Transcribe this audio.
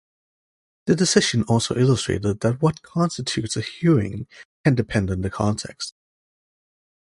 The decision also illustrated that what constitutes a "hearing" can depend on the context.